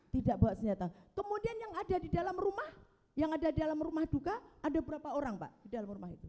tidak bawa senjata kemudian yang ada di dalam rumah yang ada di dalam rumah juga ada berapa orang pak